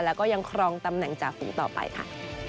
แล้วก็ยังครองตำแหน่งจ่าฝูงต่อไปค่ะ